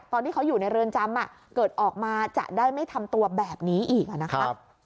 ตอนที่เขาอยู่ในเรือนจำเกิดออกมาจะได้ไม่ทำตัวแบบนี้อีกนะครับ